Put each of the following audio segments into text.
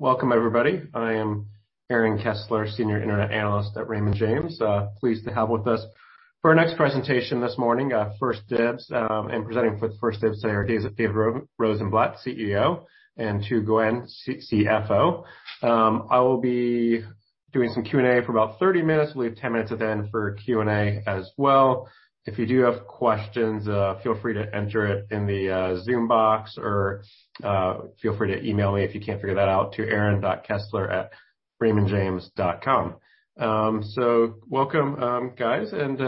Welcome everybody. I am Aaron Kessler, Senior Internet Analyst at Raymond James. Pleased to have with us for our next presentation this morning, 1stDibs, and presenting for 1stDibs today are David Rosenblatt, CEO, and Tu Nguyen, CFO. I will be doing some Q&A for about 30 minutes. We'll leave 10 minutes at the end for Q&A as well. If you do have questions, feel free to enter it in the Zoom box or feel free to email me if you can't figure that out to aaron.kessler@raymondjames.com. Welcome, guys. Maybe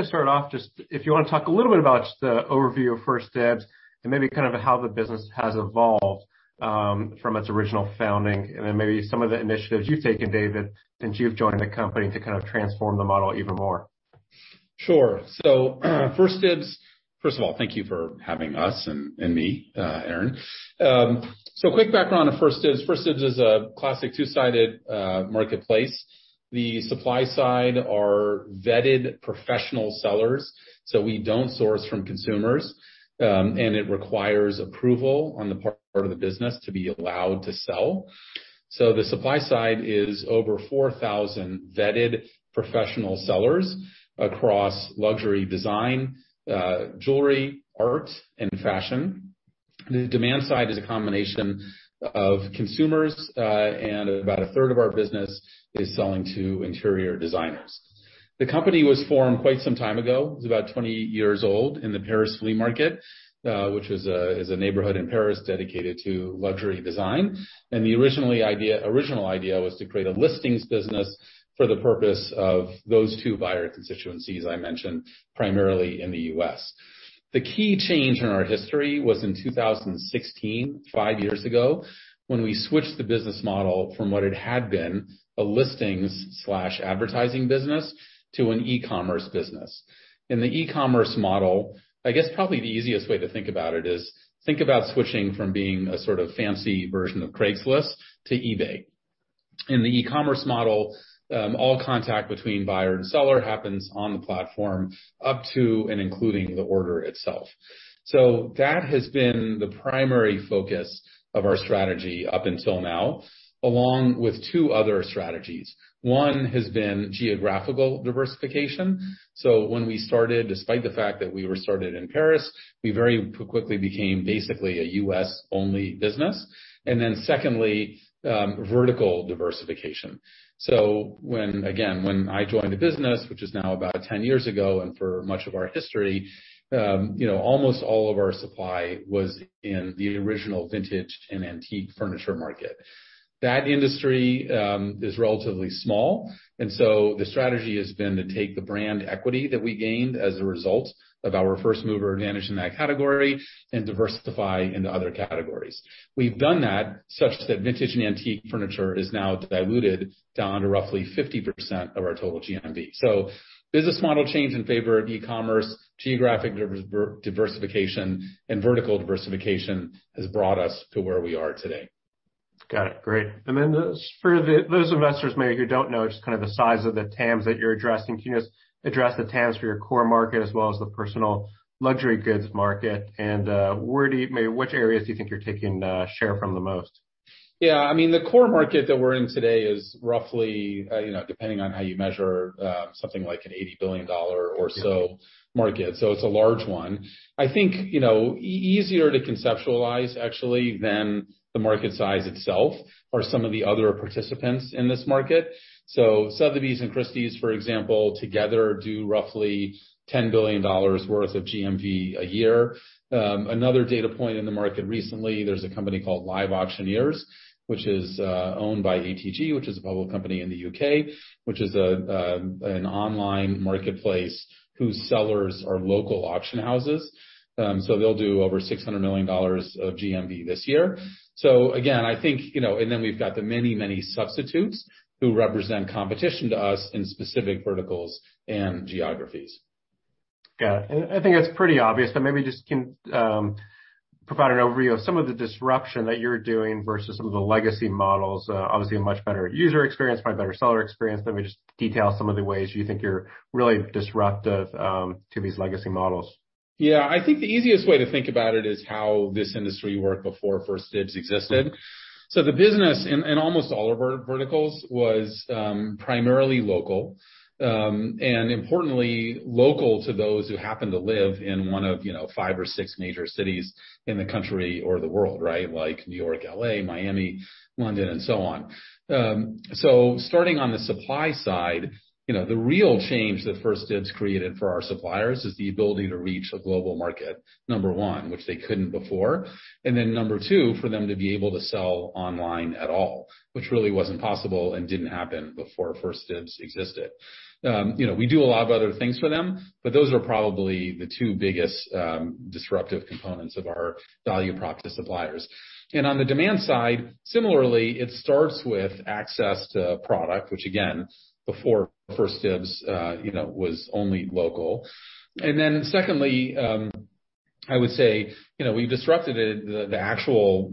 to start off, just if you wanna talk a little bit about just the overview of 1stDibs and maybe kind of how the business has evolved from its original founding, and then maybe some of the initiatives you've taken, David, since you've joined the company to kind of transform the model even more. Sure. 1stDibs. First of all, thank you for having us and me, Aaron. Quick background on 1stDibs. 1stDibs is a classic two-sided marketplace. The supply side are vetted professional sellers, so we don't source from consumers, and it requires approval on the part of the business to be allowed to sell. The supply side is over 4,000 vetted professional sellers across luxury design, jewelry, art, and fashion. The demand side is a combination of consumers, and about 1/3 of our business is selling to interior designers. The company was formed quite some time ago, it's about 20 years old, in the Paris flea market, which is a neighborhood in Paris dedicated to luxury design. The original idea was to create a listings business for the purpose of those two buyer constituencies I mentioned, primarily in the U.S. The key change in our history was in 2016, five years ago, when we switched the business model from what it had been, a listings/advertising business to an e-commerce business. In the e-commerce model, I guess probably the easiest way to think about it is think about switching from being a sort of fancy version of Craigslist to eBay. In the e-commerce model, all contact between buyer and seller happens on the platform up to and including the order itself. That has been the primary focus of our strategy up until now, along with two other strategies. One has been geographical diversification. When we started, despite the fact that we were started in Paris, we very quickly became basically a U.S.-only business. Then secondly, vertical diversification. When I joined the business, which is now about 10 years ago, and for much of our history, you know, almost all of our supply was in the original vintage and antique furniture market. That industry is relatively small, and so the strategy has been to take the brand equity that we gained as a result of our first mover advantage in that category and diversify into other categories. We've done that such that vintage and antique furniture is now diluted down to roughly 50% of our total GMV. Business model change in favor of e-commerce, geographic diversification, and vertical diversification has brought us to where we are today. Got it. Great. Just for those investors, maybe, who don't know just kind of the size of the TAMs that you're addressing, can you just address the TAMs for your core market as well as the personal luxury goods market, and where maybe which areas do you think you're taking share from the most? Yeah. I mean, the core market that we're in today is roughly, you know, depending on how you measure, something like a $80 billion or so market, so it's a large one. I think, you know, easier to conceptualize actually than the market size itself or some of the other participants in this market. Sotheby's and Christie's, for example, together do roughly $10 billion worth of GMV a year. Another data point in the market recently, there's a company called LiveAuctioneers, which is, owned by ATG, which is a public company in the U.K., which is a, an online marketplace whose sellers are local auction houses. So they'll do over $600 million of GMV this year. Again, I think, you know... We've got the many, many substitutes who represent competition to us in specific verticals and geographies. Got it. I think it's pretty obvious, but maybe you can provide an overview of some of the disruption that you're doing versus some of the legacy models. Obviously a much better user experience, probably better seller experience. Maybe just detail some of the ways you think you're really disruptive to these legacy models. Yeah. I think the easiest way to think about it is how this industry worked before 1stDibs existed. The business in almost all of our verticals was primarily local, and importantly local to those who happened to live in one of, you know, five or six major cities in the country or the world, right? Like New York, L.A., Miami, London, and so on. Starting on the supply side, you know, the real change that 1stDibs created for our suppliers is the ability to reach a global market, number one, which they couldn't before, and then number two, for them to be able to sell online at all, which really wasn't possible and didn't happen before 1stDibs existed. You know, we do a lot of other things for them, but those are probably the two biggest disruptive components of our value prop to suppliers. On the demand side, similarly, it starts with access to product, which again, before 1stDibs, you know, was only local. Then secondly, I would say, you know, we've disrupted the actual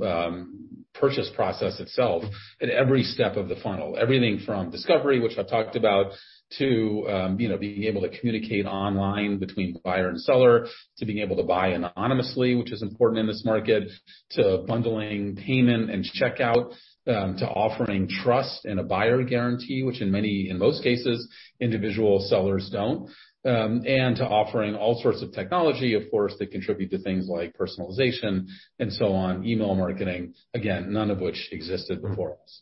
purchase process itself at every step of the funnel. Everything from discovery, which I've talked about, to, you know, being able to communicate online between buyer and seller, to being able to buy anonymously, which is important in this market, to bundling payment and checkout, to offering trust and a buyer guarantee, which in most cases, individual sellers don't. To offering all sorts of technology, of course, that contribute to things like personalization and so on, email marketing, again, none of which existed before us.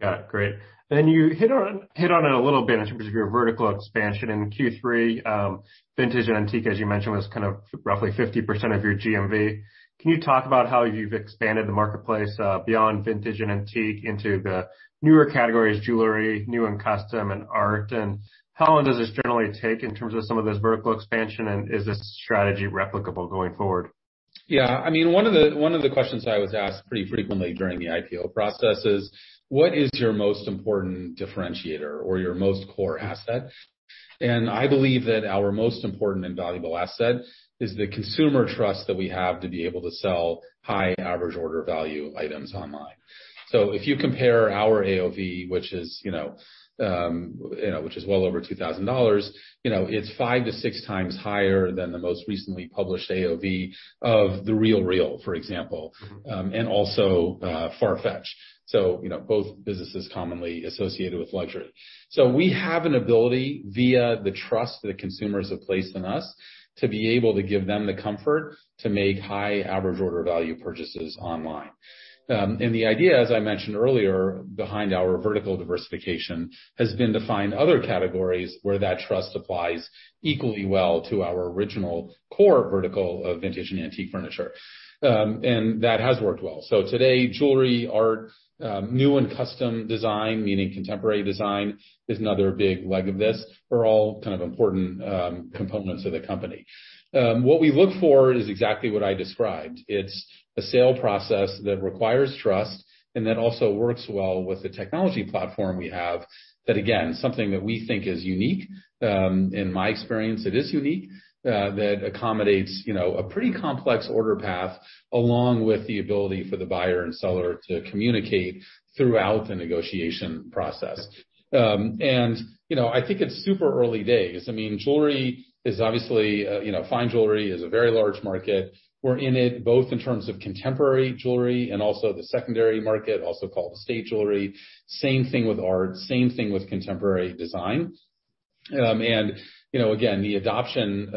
Got it. Great. You hit on it a little bit in terms of your vertical expansion in Q3. Vintage and antique, as you mentioned, was kind of roughly 50% of your GMV. Can you talk about how you've expanded the marketplace beyond vintage and antique into the newer categories, jewelry, new and custom, and art? How long does this generally take in terms of some of this vertical expansion, and is this strategy replicable going forward? Yeah. I mean, one of the questions I was asked pretty frequently during the IPO process is, "What is your most important differentiator or your most core asset?" I believe that our most important and valuable asset is the consumer trust that we have to be able to sell high average order value items online. If you compare our AOV, which is, you know, well over $2,000, you know, it's five to six times higher than the most recently published AOV of The RealReal, for example, and also Farfetch. You know, both businesses commonly associated with luxury. We have an ability via the trust that consumers have placed in us to be able to give them the comfort to make high average order value purchases online. The idea, as I mentioned earlier, behind our vertical diversification, has been to find other categories where that trust applies equally well to our original core vertical of vintage and antique furniture. That has worked well. Today, jewelry, art, new and custom design, meaning contemporary design, is another big leg of this, are all kind of important components of the company. What we look for is exactly what I described. It's a sale process that requires trust and that also works well with the technology platform we have that, again, something that we think is unique, in my experience, it is unique, that accommodates, you know, a pretty complex order path, along with the ability for the buyer and seller to communicate throughout the negotiation process. You know, I think it's super early days. I mean, jewelry is obviously, you know, fine jewelry is a very large market. We're in it both in terms of contemporary jewelry and also the secondary market, also called estate jewelry. Same thing with art, same thing with contemporary design. You know, again, the adoption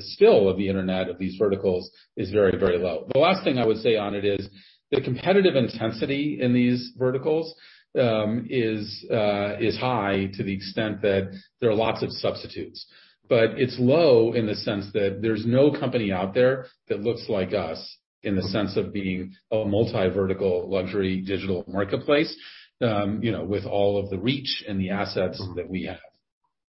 still of the internet of these verticals is very, very low. The last thing I would say on it is the competitive intensity in these verticals is high to the extent that there are lots of substitutes. It's low in the sense that there's no company out there that looks like us in the sense of being a multi-vertical luxury digital marketplace, you know, with all of the reach and the assets that we have.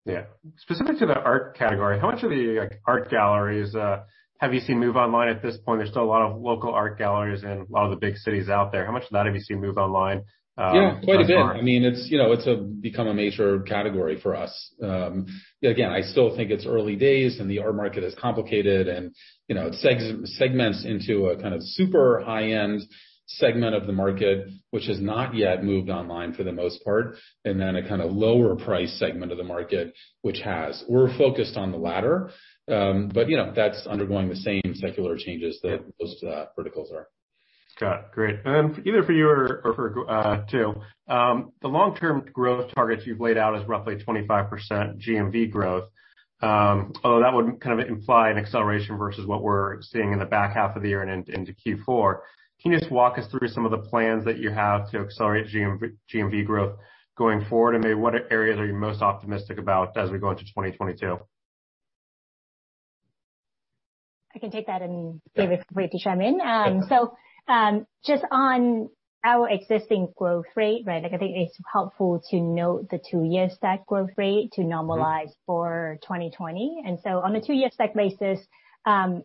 Yeah. Specific to the art category, how much of the, like, art galleries, have you seen move online at this point? There's still a lot of local art galleries in a lot of the big cities out there. How much of that have you seen move online, thus far? Yeah, quite a bit. I mean, it's, you know, become a major category for us. Again, I still think it's early days, and the art market is complicated, and, you know, it segments into a kind of super high-end segment of the market, which has not yet moved online for the most part, and then a kind of lower price segment of the market which has. We're focused on the latter. You know, that's undergoing the same secular changes that most verticals are. Got it. Great. Either for you or for Tu, too, the long-term growth targets you've laid out is roughly 25% GMV growth. Although that would kind of imply an acceleration versus what we're seeing in the back half of the year and into Q4. Can you just walk us through some of the plans that you have to accelerate GMV growth going forward, and maybe what areas are you most optimistic about as we go into 2022? I can take that and feel free to chime in. Just on our existing growth rate, right? Like, I think it's helpful to note the two-year stack growth rate to normalize for 2020. On a two-year stack basis,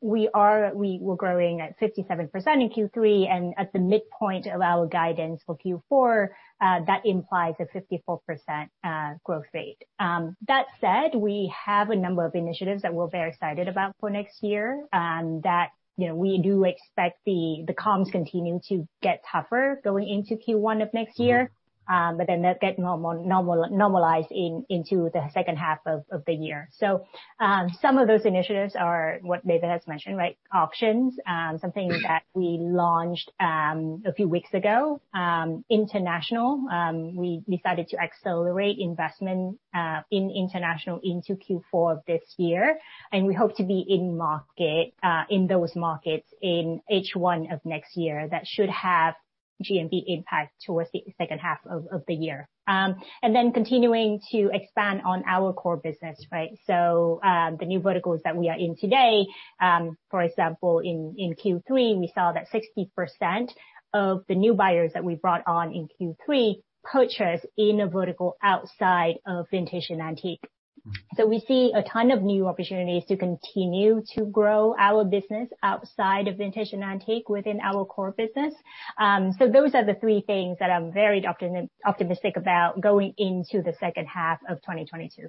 we were growing at 57% in Q3, and at the midpoint of our guidance for Q4, that implies a 54% growth rate. That said, we have a number of initiatives that we're very excited about for next year, that, you know, we do expect the comps continuing to get tougher going into Q1 of next year. They'll get normalized into the second half of the year. Some of those initiatives are what David has mentioned, right? Auctions, something that we launched a few weeks ago. International, we decided to accelerate investment in international into Q4 of this year, and we hope to be in market in those markets in H1 of next year. That should have GMV impact towards the second half of the year. Continuing to expand on our core business, right? The new verticals that we are in today, for example, in Q3, we saw that 60% of the new buyers that we brought on in Q3 purchased in a vertical outside of vintage and antique. We see a ton of new opportunities to continue to grow our business outside of vintage and antique within our core business. Those are the three things that I'm very optimistic about going into the second half of 2022.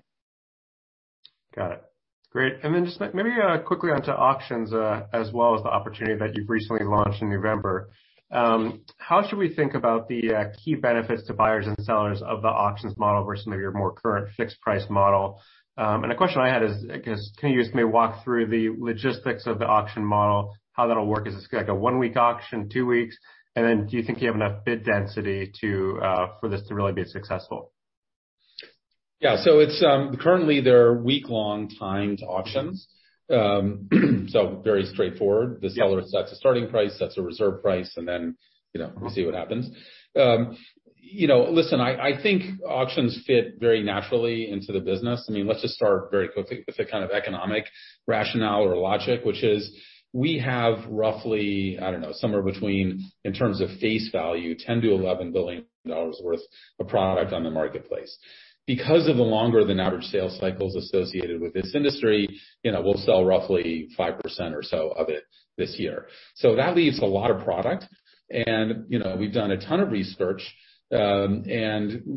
Got it. Great. Just maybe quickly onto auctions as well as the opportunity that you've recently launched in November. How should we think about the key benefits to buyers and sellers of the auctions model versus maybe your more current fixed price model? A question I had is, I guess, can you just maybe walk through the logistics of the auction model, how that'll work? Is this gonna be like a one week auction, two weeks? Do you think you have enough bid density to for this to really be successful? Yeah. It's currently they're week-long timed auctions. Very straightforward. Yeah. The seller sets a starting price, sets a reserve price, and then, you know, we see what happens. You know, listen, I think auctions fit very naturally into the business. I mean, let's just start very quickly with the kind of economic rationale or logic, which is we have roughly, I don't know, somewhere between, in terms of face value, $10 billion-$11 billion worth of product on the marketplace. Because of the longer than average sales cycles associated with this industry, you know, we'll sell roughly 5% or so of it this year. That leaves a lot of product. You know, we've done a ton of research, and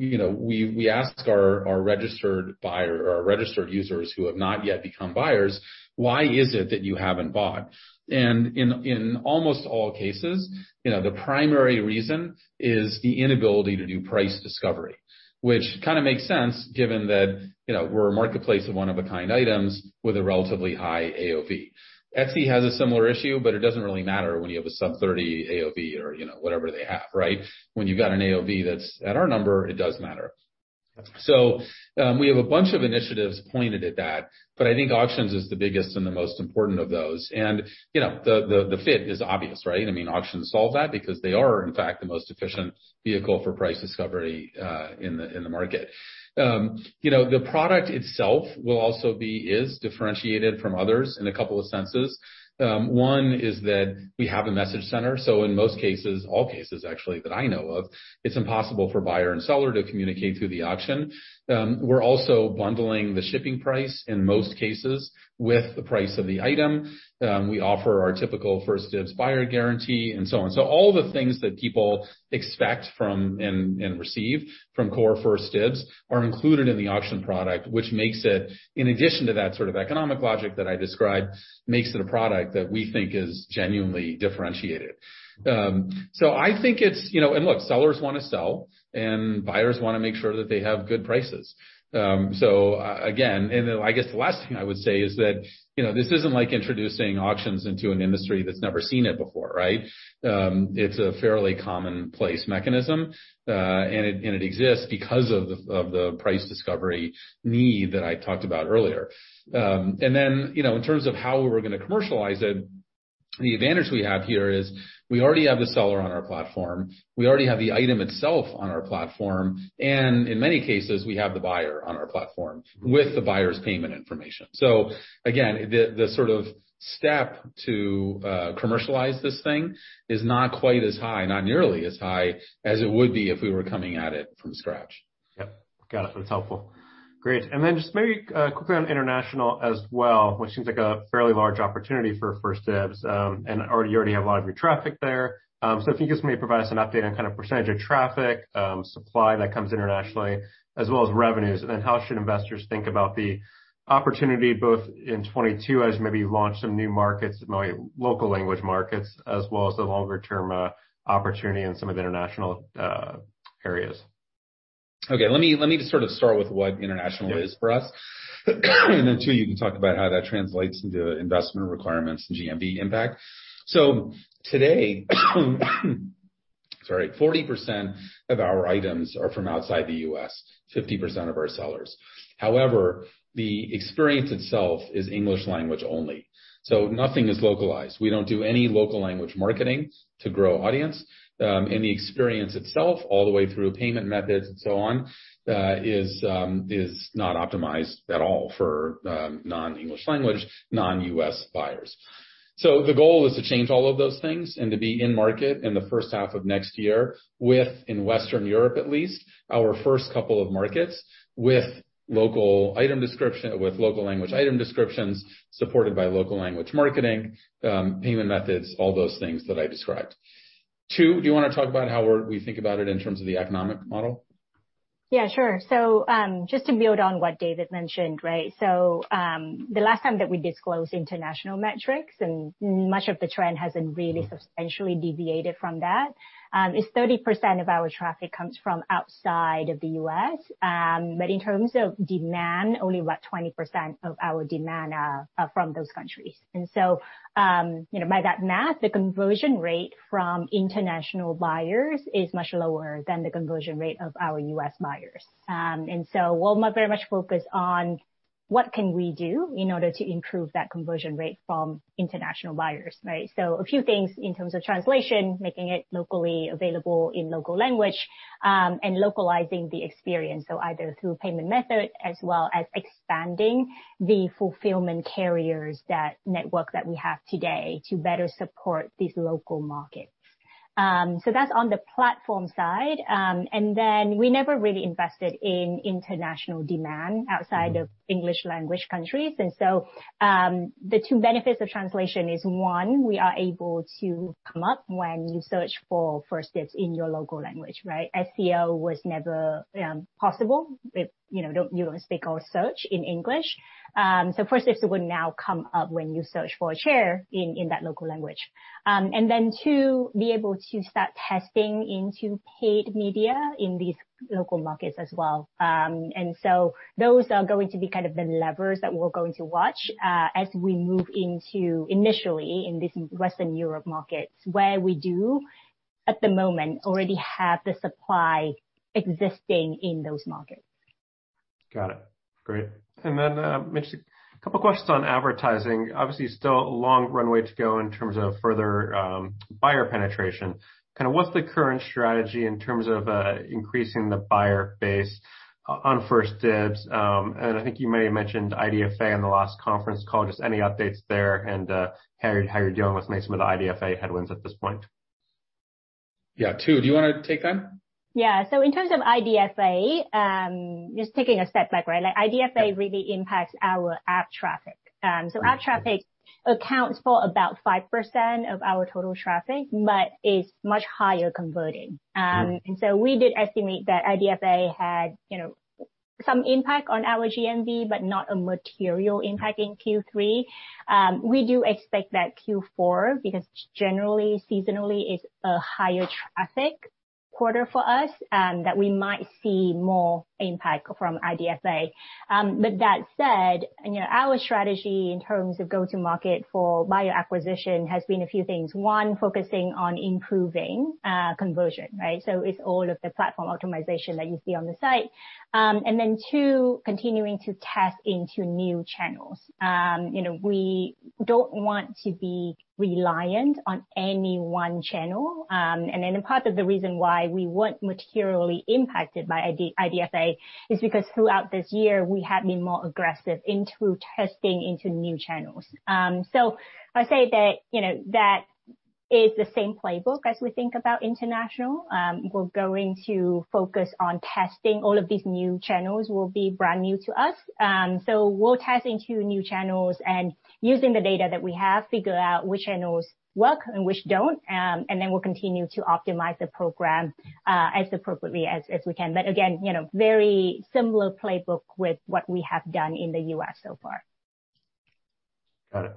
you know, we ask our registered buyer or our registered users who have not yet become buyers, "Why is it that you haven't bought?" In almost all cases, you know, the primary reason is the inability to do price discovery, which kind of makes sense given that, you know, we're a marketplace of one-of-a-kind items with a relatively high AOV. Etsy has a similar issue, but it doesn't really matter when you have a sub-30 AOV or, you know, whatever they have, right? When you've got an AOV that's at our number, it does matter. We have a bunch of initiatives pointed at that, but I think auctions is the biggest and the most important of those. You know, the fit is obvious, right? I mean, auctions solve that because they are in fact the most efficient vehicle for price discovery, in the market. You know, the product itself is differentiated from others in a couple of senses. One is that we have a message center, so in most cases, all cases actually that I know of, it's impossible for buyer and seller to communicate through the auction. We're also bundling the shipping price, in most cases, with the price of the item. We offer our typical 1stDibs buyer guarantee, and so on. So all the things that people expect from and receive from core 1stDibs are included in the auction product, which makes it, in addition to that sort of economic logic that I described, makes it a product that we think is genuinely differentiated. I think it's, you know. Look, sellers wanna sell, and buyers wanna make sure that they have good prices. Again, and then I guess the last thing I would say is that, you know, this isn't like introducing auctions into an industry that's never seen it before, right? It's a fairly commonplace mechanism. It exists because of the price discovery need that I talked about earlier. Then, you know, in terms of how we're gonna commercialize it, the advantage we have here is we already have the seller on our platform, we already have the item itself on our platform, and in many cases, we have the buyer on our platform with the buyer's payment information. Again, the sort of step to commercialize this thing is not quite as high, not nearly as high as it would be if we were coming at it from scratch. Yep. Got it. That's helpful. Great. Just maybe, quickly on international as well, which seems like a fairly large opportunity for 1stDibs, and already you have a lot of your traffic there. If you can just maybe provide us an update on kind of percentage of traffic, supply that comes internationally, as well as revenues. How should investors think about the opportunity both in 2022 as maybe you launch some new markets, maybe local language markets, as well as the longer term, opportunity in some of the international, areas? Okay. Let me just sort of start with what international is for us. Then, Tu, you can talk about how that translates into investment requirements and GMV impact. Today, sorry, 40% of our items are from outside the U.S., 50% of our sellers. However, the experience itself is English language only, so nothing is localized. We don't do any local language marketing to grow audience. The experience itself, all the way through payment methods and so on, is not optimized at all for non-English language, non-U.S. buyers. The goal is to change all of those things and to be in market in the first half of next year with, in Western Europe at least, our first couple of markets with local language item descriptions supported by local language marketing, payment methods, all those things that I described. Tu, do you wanna talk about how we think about it in terms of the economic model? Yeah, sure. Just to build on what David mentioned, right? The last time that we disclosed international metrics, and much of the trend hasn't really substantially deviated from that, is 30% of our traffic comes from outside of the U.S. But in terms of demand, only about 20% of our demand are from those countries. You know, by that math, the conversion rate from international buyers is much lower than the conversion rate of our U.S. buyers. We'll very much focus on what can we do in order to improve that conversion rate from international buyers, right? A few things in terms of translation, making it locally available in local language, and localizing the experience, so either through payment method as well as expanding the fulfillment carriers that network that we have today to better support these local markets. That's on the platform side. We never really invested in international demand outside of English language countries. The two benefits of translation is, one, we are able to come up when you search for 1stDibs in your local language, right? SEO was never possible with you know, you don't speak or search in English. 1stDibs would now come up when you search for a chair in that local language. Two, be able to start testing into paid media in these local markets as well. Those are going to be kind of the levers that we're going to watch as we move into initially in this Western Europe markets, where we do at the moment already have the supply existing in those markets. Got it. Great. Tu, a couple questions on advertising. Obviously still a long runway to go in terms of further buyer penetration. Kinda what's the current strategy in terms of increasing the buyer base on 1stDibs? I think you may have mentioned IDFA in the last conference call, just any updates there and how you're dealing with maybe some of the IDFA headwinds at this point. Yeah. Tu, do you wanna take that? Yeah. In terms of IDFA, just taking a step back, right? Like, IDFA really impacts our app traffic. App traffic accounts for about 5% of our total traffic, but is much higher converting. We did estimate that IDFA had, you know, some impact on our GMV, but not a material impact in Q3. We do expect that Q4, because generally, seasonally is a higher traffic quarter for us, that we might see more impact from IDFA. That said, you know, our strategy in terms of go-to-market for buyer acquisition has been a few things. One, focusing on improving, conversion, right? It's all of the platform optimization that you see on the site. Then two, continuing to test into new channels. You know, we don't want to be reliant on any one channel. Part of the reason why we weren't materially impacted by IDFA is because throughout this year we have been more aggressive into testing new channels. I say that, you know, that is the same playbook as we think about international. We'll test into new channels and using the data that we have, figure out which channels work and which don't, and then we'll continue to optimize the program, as appropriately as we can. Again, you know, very similar playbook with what we have done in the U.S. so far. Got it.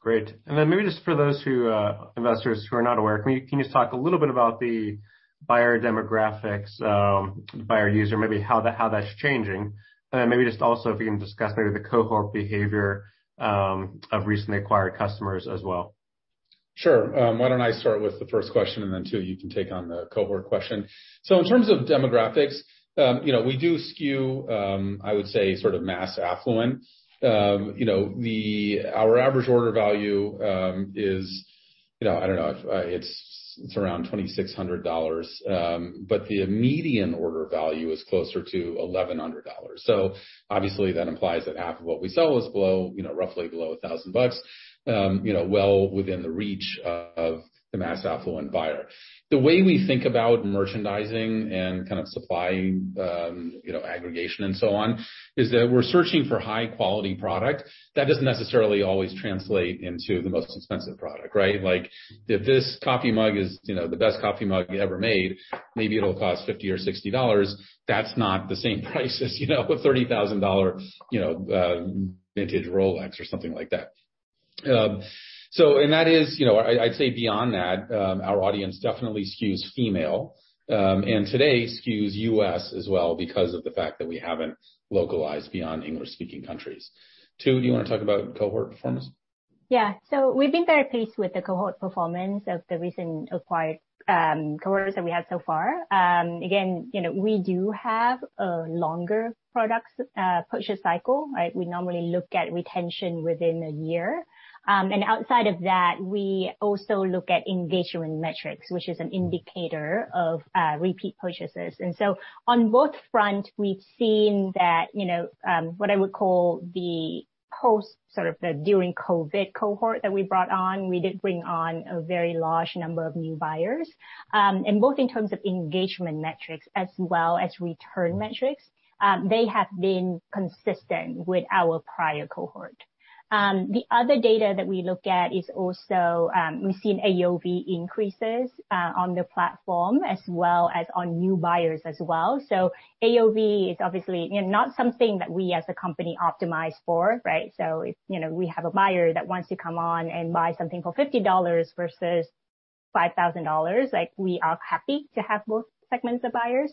Great. Maybe just for those who, investors who are not aware, can you just talk a little bit about the buyer demographics, buyer user, maybe how that's changing. Maybe just also if you can discuss maybe the cohort behavior of recently acquired customers as well. Sure. Why don't I start with the first question and then, Tu, you can take on the cohort question. In terms of demographics, you know, we do skew, I would say sort of mass affluent. You know, our average order value is, you know, it's around $2,600. But the median order value is closer to $1,100. Obviously that implies that half of what we sell is below, you know, roughly below $1,000, you know, well within the reach of the mass affluent buyer. The way we think about merchandising and kind of supply, you know, aggregation and so on, is that we're searching for high quality product. That doesn't necessarily always translate into the most expensive product, right? Like if this coffee mug is, you know, the best coffee mug ever made, maybe it'll cost $50-$60. That's not the same price as, you know, a $30,000, you know, vintage Rolex or something like that. That is. You know, I'd say beyond that, our audience definitely skews female, and today skews U.S. as well because of the fact that we haven't localized beyond English-speaking countries. Tu, do you wanna talk about cohort performance? Yeah. We've been very pleased with the cohort performance of the recently acquired cohorts that we have so far. Again, you know, we do have a longer product purchase cycle, right? We normally look at retention within a year. Outside of that, we also look at engagement metrics, which is an indicator of repeat purchases. On both fronts, we've seen that, you know, what I would call the post sort of the during COVID cohort that we brought on, we did bring on a very large number of new buyers. Both in terms of engagement metrics as well as return metrics, they have been consistent with our prior cohort. The other data that we look at is also that we've seen AOV increases on the platform as well as on new buyers as well. AOV is obviously, you know, not something that we as a company optimize for, right? If, you know, we have a buyer that wants to come on and buy something for $50 versus $5,000, like we are happy to have both segments of buyers.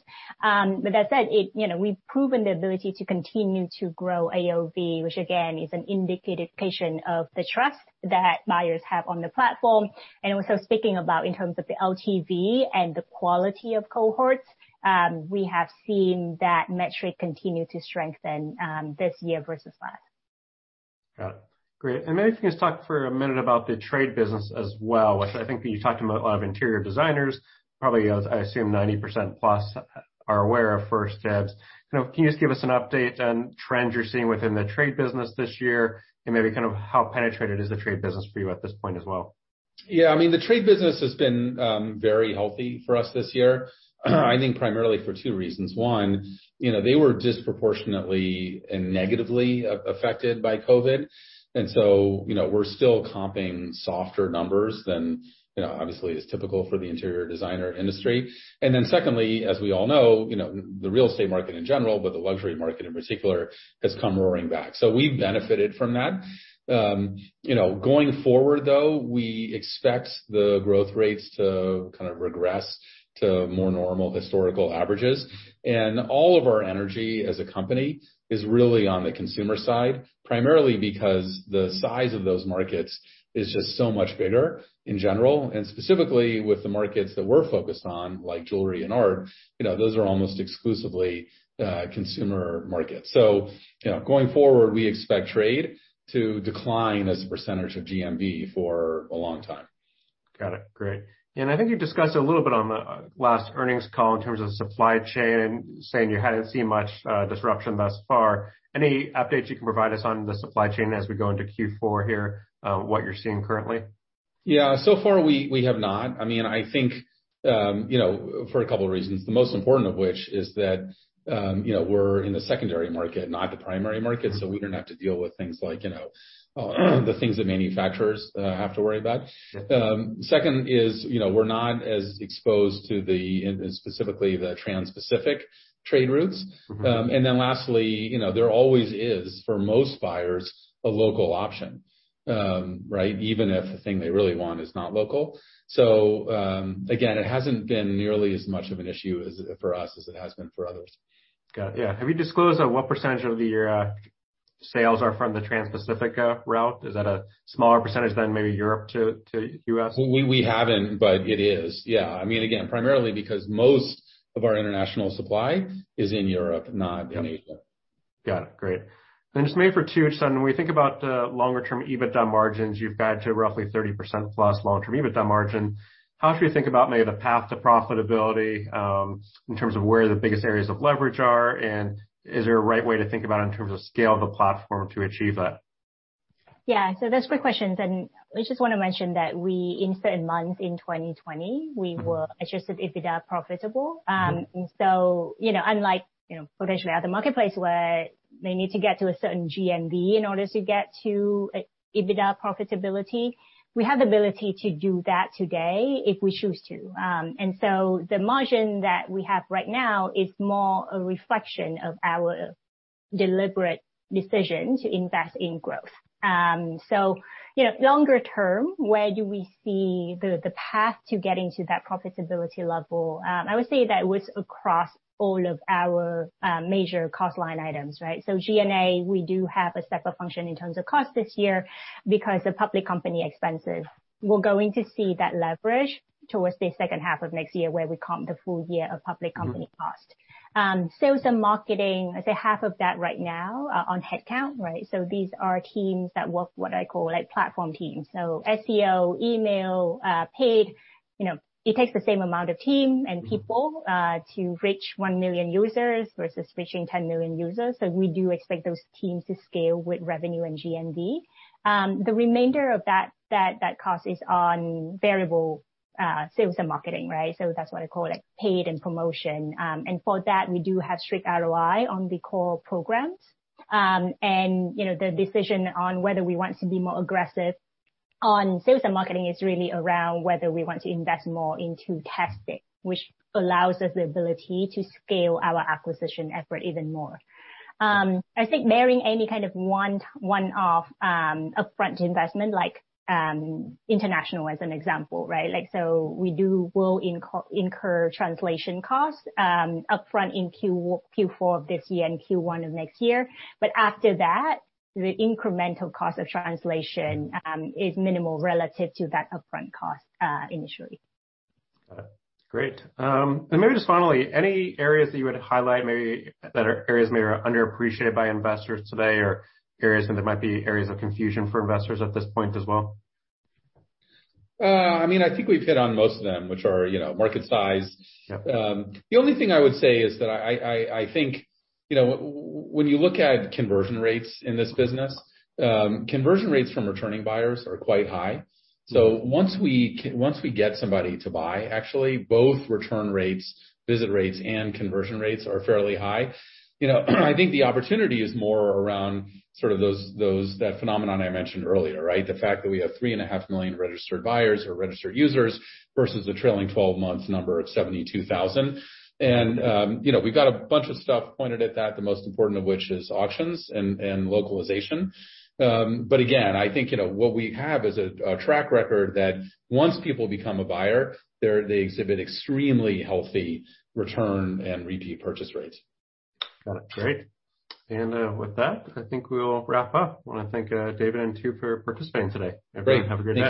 With that said, you know, we've proven the ability to continue to grow AOV, which again is an indication of the trust that buyers have on the platform. Also speaking about in terms of the LTV and the quality of cohorts, we have seen that metric continue to strengthen this year versus last. Got it. Great. Maybe if you can just talk for a minute about the trade business as well. Which I think you talked about a lot of interior designers. Probably, I assume 90%+ are aware of 1stDibs. You know, can you just give us an update on trends you're seeing within the trade business this year and maybe kind of how penetrated is the trade business for you at this point as well? Yeah. I mean, the trade business has been very healthy for us this year, I think primarily for two reasons. One, you know, they were disproportionately and negatively affected by COVID. You know, we're still comping softer numbers than, you know, obviously is typical for the interior designer industry. Then secondly, as we all know, you know, the real estate market in general, but the luxury market in particular, has come roaring back. So we benefited from that. You know, going forward, though, we expect the growth rates to kind of regress to more normal historical averages. All of our energy as a company is really on the consumer side, primarily because the size of those markets is just so much bigger in general. Specifically with the markets that we're focused on, like jewelry and art, you know, those are almost exclusively consumer markets. You know, going forward, we expect trade to decline as a percentage of GMV for a long time. Got it. Great. I think you discussed a little bit on the last earnings call in terms of supply chain, saying you hadn't seen much, disruption thus far. Any updates you can provide us on the supply chain as we go into Q4 here, what you're seeing currently? Yeah. So far we have not. I mean, I think, you know, for a couple reasons, the most important of which is that, you know, we're in the secondary market, not the primary market, so we don't have to deal with things like, you know, the things that manufacturers have to worry about. Second is, you know, we're not as exposed to the, specifically the transpacific trade routes. Lastly, you know, there always is, for most buyers, a local option, right, even if the thing they really want is not local. Again, it hasn't been nearly as much of an issue for us as it has been for others. Got it. Yeah. Have you disclosed what percentage of your sales are from the Transpacific route? Is that a smaller percentage than maybe Europe to U.S.? We haven't, but it is, yeah. I mean, again, primarily because most of our international supply is in Europe, not in Asia. Got it. Great. Just maybe for Tu, just on when we think about the longer-term EBITDA margins, you've guided to roughly 30%+ long-term EBITDA margin. How should we think about maybe the path to profitability, in terms of where the biggest areas of leverage are, and is there a right way to think about it in terms of scale of the platform to achieve that? Yeah. There's three questions, and I just wanna mention that we, in certain months in 2020, we were adjusted EBITDA profitable. You know, unlike, you know, potentially other marketplace where they need to get to a certain GMV in order to get to EBITDA profitability, we have the ability to do that today if we choose to. The margin that we have right now is more a reflection of our deliberate decision to invest in growth. You know, longer term, where do we see the path to getting to that profitability level? I would say that it was across all of our major cost line items, right? G&A, we do have a step-up function in terms of cost this year because the public company expenses. We're going to see that leverage towards the second half of next year, where we comp the full-year of public company cost. Sales and marketing, I'd say half of that right now on headcount, right? These are teams that work what I call, like, platform teams. SEO, email, paid, you know, it takes the same amount of team and people to reach one million users versus reaching 10 million users. We do expect those teams to scale with revenue and GMV. The remainder of that cost is on variable sales and marketing, right? That's what I call, like, paid and promotion. For that, we do have strict ROI on the core programs. You know, the decision on whether we want to be more aggressive on sales and marketing is really around whether we want to invest more into testing, which allows us the ability to scale our acquisition effort even more. I think barring any kind of one-off, upfront investment like international as an example, right? Like, will incur translation costs, upfront in Q4 of this year and Q1 of next year. After that, the incremental cost of translation is minimal relative to that upfront cost, initially. Got it. Great. Maybe just finally, any areas that you would highlight, maybe, that are areas maybe are underappreciated by investors today or areas where there might be areas of confusion for investors at this point as well? I mean, I think we've hit on most of them, which are, you know, market size. Yeah. The only thing I would say is that I think, you know, when you look at conversion rates in this business, conversion rates from returning buyers are quite high. So once we get somebody to buy, actually, both return rates, visit rates, and conversion rates are fairly high. You know, I think the opportunity is more around sort of those that phenomenon I mentioned earlier, right? The fact that we have 3.5 million registered buyers or registered users versus the trailing 12 months number of 72,000. You know, we've got a bunch of stuff pointed at that, the most important of which is auctions and localization. Again, I think, you know, what we have is a track record that once people become a buyer, they exhibit extremely healthy return and repeat purchase rates. Got it. Great. With that, I think we'll wrap up. Wanna thank David and Tu for participating today. Great. Everyone, have a great day.